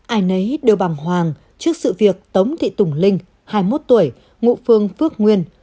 ai nấy đều bằng hoàng trước sự việc tống thị tùng linh hai tuổi ngụ phương phước nguyên